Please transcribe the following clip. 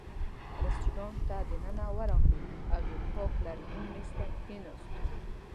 رېستورانت ته دننه ورغلو او یوه پاک لرګین مېز ته کېناستو.